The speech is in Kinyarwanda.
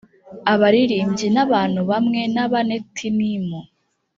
abaririmbyi n abantu bamwe n abanetinimu